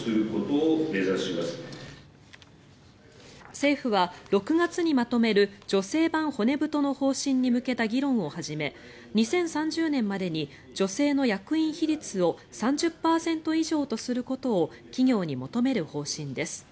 政府は６月にまとめる女性版骨太の方針に向けた議論を始め２０３０年までに女性の役員比率を３０％以上とすることを企業に求める方針です。